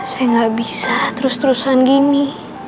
saya nggak bisa terus terusan gini